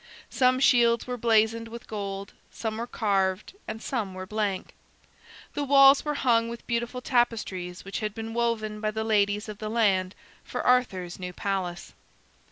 Some shields were blazoned with gold, some were carved, and some were blank. The walls were hung with beautiful tapestries which had been woven by the ladies of the land for Arthur's new palace.